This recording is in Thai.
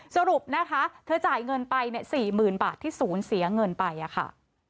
สรุปนะคะเธอจ่ายเงินไป๔๐๐๐บาทที่ศูนย์เสียเงินไปค่ะ